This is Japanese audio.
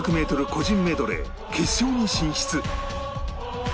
個人メドレー決勝に進出